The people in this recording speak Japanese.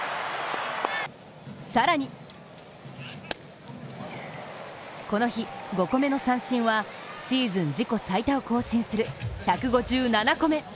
更にこの日５個目の三振はシーズン自己最多を更新する１７５個目。